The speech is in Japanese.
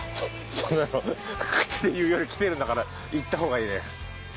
そんなの口で言うより来てるんだから行った方がいいね。